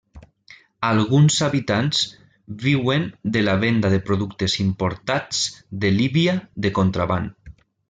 Alguns habitants viuen de la venda de productes importats de Líbia de contraban.